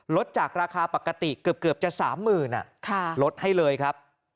ลดจากราคาปกติเกือบจะ๓๐๐๐บาทลดให้เลยครับ